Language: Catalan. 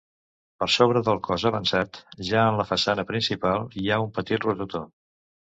Per sobre del cos avançat, ja en la façana principal, hi ha un petit rosetó.